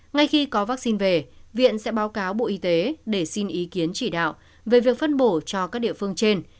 ngay khi có vaccine về viện sẽ báo cáo bộ y tế để xin ý kiến chỉ đạo về việc phân bổ cho các địa phương trên